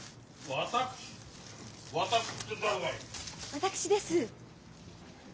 私です。